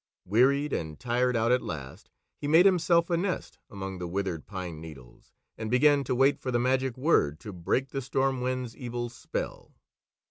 Wearied and tired out at last, he made himself a nest among the withered pine needles and began to wait for the magic word to break the Storm Wind's evil spell.